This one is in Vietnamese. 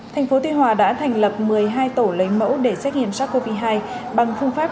thành phố tuy hòa đã thành lập một mươi hai tổ lấy mẫu để xét nghiệm sars cov hai bằng phương pháp